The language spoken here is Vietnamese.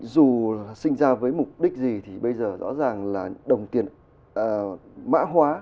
dù sinh ra với mục đích gì thì bây giờ rõ ràng là đồng tiền mã hóa